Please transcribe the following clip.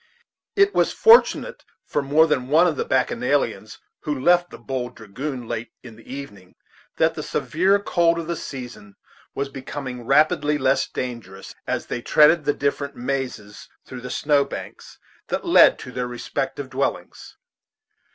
It was fortunate for more than one of the bacchanalians who left the "Bold Dragoon" late in the evening that the severe cold of the season was becoming rapidly less dangerous as they threaded the different mazes through the snow banks that led to their respective dwellings.